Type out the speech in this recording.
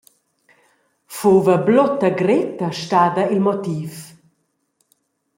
Fuva blutta gretta stada il motiv?